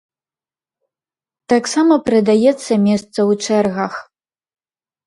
Таксама прадаецца месца ў чэргах.